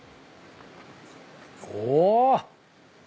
お。